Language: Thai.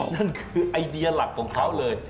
นั่นคือไอเดียหลักของเขาเลย